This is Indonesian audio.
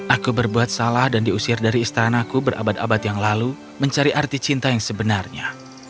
aku berbuat salah dan diusir dari istanaku berabad abad yang lalu mencari arti cinta yang sebenarnya